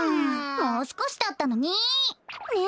もうすこしだったのにね。